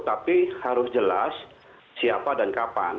tapi harus jelas siapa dan kapan